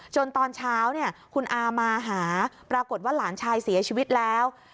ตอนเช้าคุณอามาหาปรากฏว่าหลานชายเสียชีวิตแล้ว